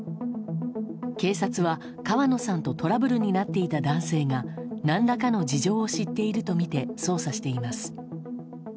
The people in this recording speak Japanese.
警察は、川野さんとトラブルになっていた男性が何らかの事情を知っているとみて捜査しています。